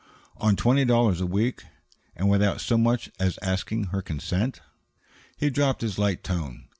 "On twenty dollars a week? And without so much as asking her consent?" He dropped his light tone.